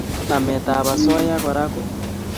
Nametab osoya age Kora ko